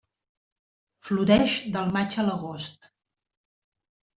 Floreix del maig a l'agost.